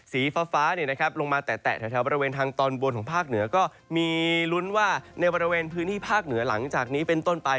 สีฟ้าลงมาแตะแถวบริเวณทางตอนบนของภาคเหนือก็มีลุ้นว่าในบริเวณพื้นที่ภาคเหนือหลังจากนี้เป็นต้นไป